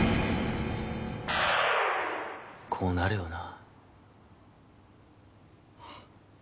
こうなるよな。